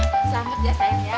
sukses sayang ya